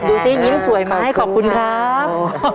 ซิยิ้มสวยไหมขอบคุณครับ